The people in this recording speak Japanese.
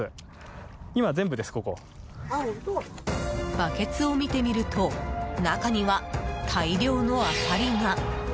バケツを見てみると中には大量のアサリが！